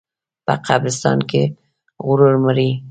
په قبرستان کې غرور مري.